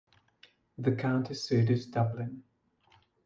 The county seat is Dublin.